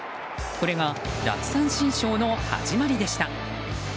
これが奪三振ショーの始まりでした。